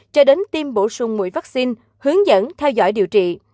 cho đến tiêm bổ sung mũi vaccine hướng dẫn theo dõi điều trị